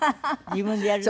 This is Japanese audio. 自分でやるって？